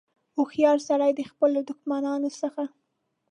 هوښیار سړي د خپلو دښمنانو څخه.